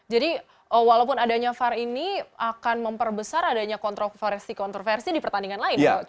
jadi walaupun adanya var ini akan memperbesar adanya kontroversi di pertandingan lain coach